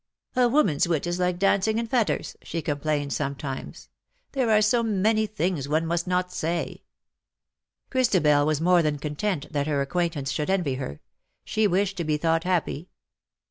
^' A woman^s wit is like dancing in fetters/^ she complained sometimes :" there are so many things one must not say V Christabel was more than content that her acquaintance should envy her. She wished to be thought happy.